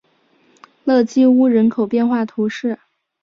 勒基乌人口变化图示